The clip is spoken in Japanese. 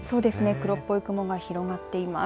黒っぽい雲が広がっています。